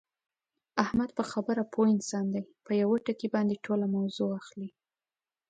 احمد په خبره پوه انسان دی، په یوه ټکي باندې ټوله موضع اخلي.